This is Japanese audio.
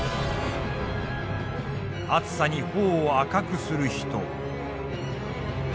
熱さに頬を赤くする人。